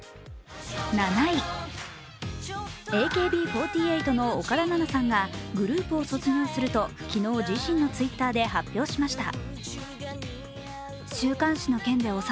７位、ＡＫＢ４８の岡田奈々さんがグループを卒業すると昨日、自身のＴｗｉｔｔｅｒで発表しました。